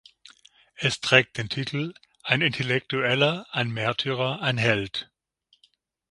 Es trägt den Titel "Ein Intellektueller, ein Märtyrer, ein Held".